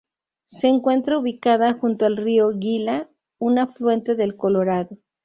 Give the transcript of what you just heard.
Se encuentra ubicada junto al río Gila, un afluente del Colorado.